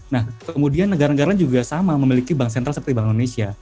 nah kemudian negara negara juga sama memiliki bank sentral seperti bank indonesia